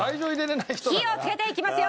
火をつけていきますよ！